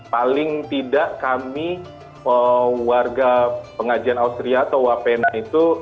paling tidak kami warga pengajian austria atau wapena itu